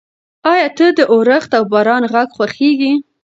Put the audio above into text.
ایا ته د اورښت او باران غږ خوښوې؟